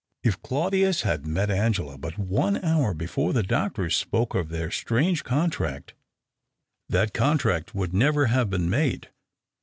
If Claudius had met Angela but one hour l^efore the doctor spoke of their strange contract, that contract would never have been made.